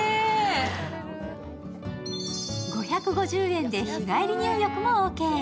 ５５０円で日帰り入浴もオーケー。